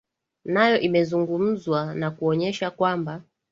nayo imezungumza na kuonyesha kwamba